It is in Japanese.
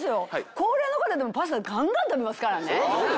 高齢の方でもパスタガンガン食べますからね。